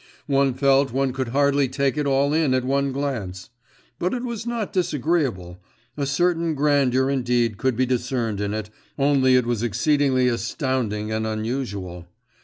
… One felt one could hardly take it all in at one glance. But it was not disagreeable a certain grandeur indeed could be discerned in it, only it was exceedingly astounding and unusual.